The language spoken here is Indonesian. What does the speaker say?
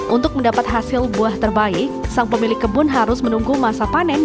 untuk mendapat hasil buah terbaik sang pemilik kebun harus menunggu masa panen